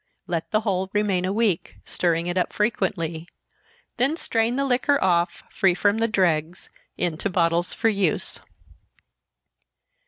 Let the whole remain a week, stirring it up frequently, then strain the liquor off, free from the dregs, into bottles for use.